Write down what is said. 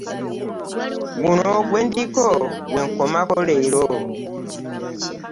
Guno gwe ndiko gwe nkomako leero.